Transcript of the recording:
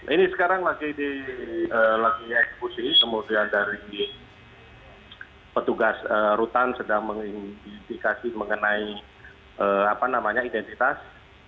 ini sekarang lagi eksekusi kemudian dari petugas rutan sedang mengidentifikasi mengenai identitas